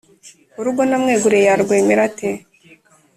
urugo namweguriye yarwemera ate ?